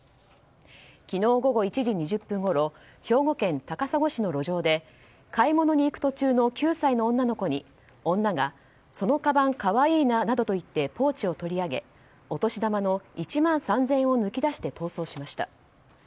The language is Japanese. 昨日午後１時２０分ごろ兵庫県高砂市の路上で買い物に行く途中の９歳の女の子に女がそのかばん可愛いななどと言ってポーチを取り上げお年玉の１万３０００円を抜き出して逃走しました。